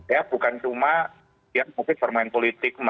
ya bukan cuma ya mungkin bermain politik